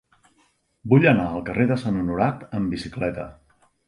Vull anar al carrer de Sant Honorat amb bicicleta.